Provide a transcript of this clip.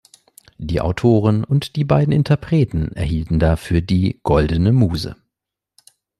Die Autoren und die beiden Interpreten erhielten dafür die „Goldene Muse“.